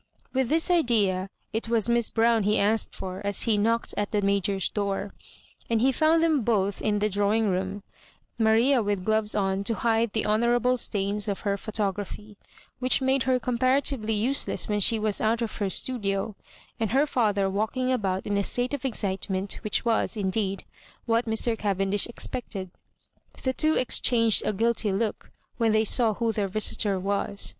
With this idea it was Miss Brown he asked for as he knocked at the Major's door ; and he found them both in the drawing room, Maria with gloves on to hide the honourable stains of her photography, which made her comparatively useless when she was out of her " studio "— and her father walking about in a state of excitement, which was, indeed, what Mr. Cavendish expected. The two exchanged a guilty look when they saw who their visitor was.